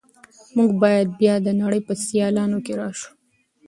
موږ به بیا د نړۍ په سیالانو کې راشو.